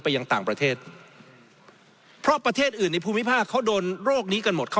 ยังต่างประเทศเพราะประเทศอื่นในภูมิภาคเขาโดนโรคนี้กันหมดเขา